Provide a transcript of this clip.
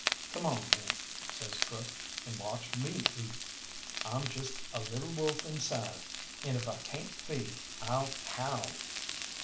"Come on, then," says Crook, "and watch me eat. I'm just a lil' wolf inside, and if I cayn't feed I'll howl."